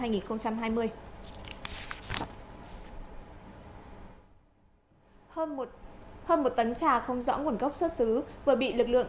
hơn một tấn trà không rõ nguồn gốc xuất xứ vừa bị lực lượng